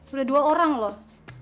udah dua orang loh